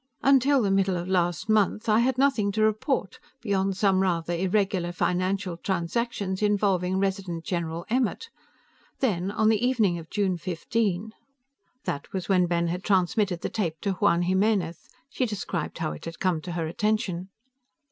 Until the middle of last month, I had nothing to report beyond some rather irregular financial transactions involving Resident General Emmert. Then, on the evening of June fifteen " That was when Ben had transmitted the tape to Juan Jimenez; she described how it had come to her attention.